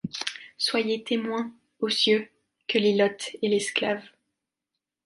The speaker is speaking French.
Soyez témoins, ô cieux, que l’ilote et l’esclave